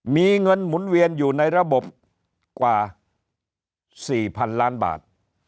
มีเงินหมุนเวียนอยู่ในระบบกว่า๔๐๐๐ล้านบาท